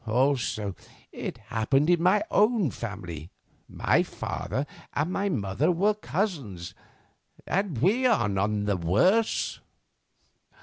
Also, it happened in my own family, my father and mother were cousins, and we are none the worse."